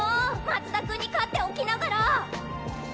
松田君に勝っておきながら！